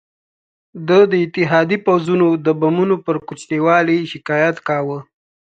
ده د اتحادي پوځونو د بمونو پر کوچني والي شکایت کاوه.